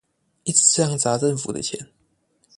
一直這樣砸政府的錢